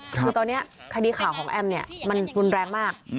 คือตอนนี้คดีข่าวของแอมเนี่ยมันรุนแรงมาก